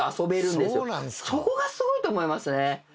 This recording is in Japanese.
そこがすごいと思いますね。